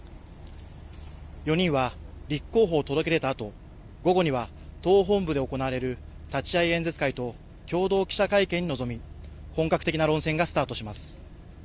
４人は立候補を届け出たあと午後には党本部で行われる立会演説会と共同記者会見に臨み本格的な論戦がスタートします。